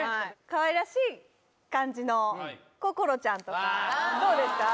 かわいらしい感じの心ちゃんとかどうですか？